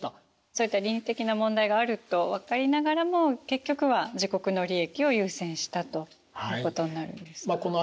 そういった倫理的な問題があると分かりながらも結局は自国の利益を優先したということになるんですかね。